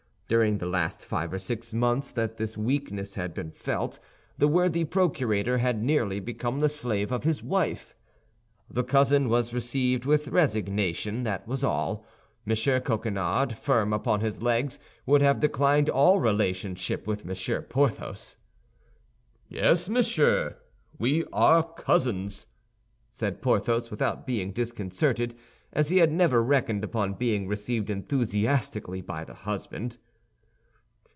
During the last five or six months that this weakness had been felt, the worthy procurator had nearly become the slave of his wife. The cousin was received with resignation, that was all. M. Coquenard, firm upon his legs, would have declined all relationship with M. Porthos. "Yes, monsieur, we are cousins," said Porthos, without being disconcerted, as he had never reckoned upon being received enthusiastically by the husband.